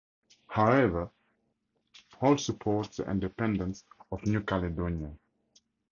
However, all support the independence of New Caledonia.